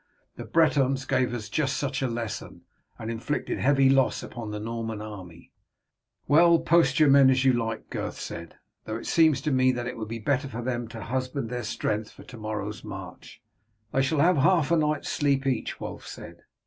The Bretons gave us just such a lesson, and inflicted heavy loss upon the Norman army." "Well, post your men as you like," Gurth said; "though it seems to me that it would be better for them to husband their strength for to morrow's march." "They shall have half a night's sleep each," Wulf said.